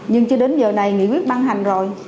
nhưng chưa đến giờ này nghị quyết ban hành rồi